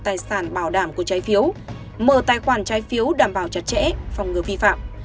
tài sản bảo đảm của trái phiếu mở tài khoản trái phiếu đảm bảo chặt chẽ phòng ngừa vi phạm